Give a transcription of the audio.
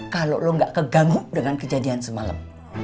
kalau lo gak keganggu dengan kejadian semalam